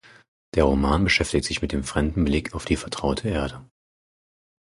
Der Roman beschäftigt sich mit dem fremden Blick auf die „vertraute“ Erde.